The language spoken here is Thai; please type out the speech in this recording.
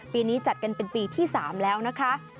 นี้จัดกันเป็นปีที่๓แล้วนะคะ